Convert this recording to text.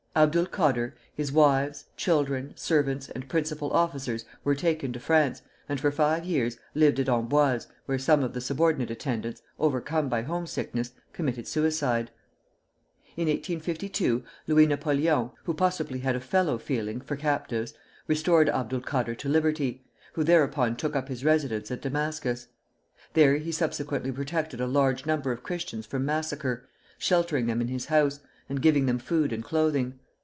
Abdul Kader, his wives, children, servants, and principal officers were taken to France, and for five years lived at Amboise, where some of the subordinate attendants, overcome by homesickness, committed suicide. In 1852 Louis Napoleon, who possibly had a fellow feeling for captives, restored Abdul Kader to liberty, who thereupon took up his residence at Damascus. There he subsequently protected a large number of Christians from massacre, sheltering them in his house, and giving them food and clothing.